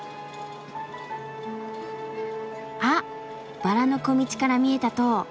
あっバラの小道から見えた塔！